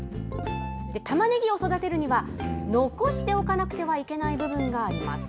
たまねぎを育てるには、残しておかなくてはいけない部分があります。